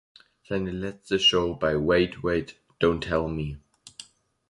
Seine letzte Show bei Wait Wait... Don't Tell Me!